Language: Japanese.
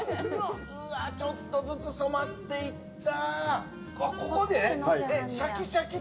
うわ、ちょっとずつ染まっていった。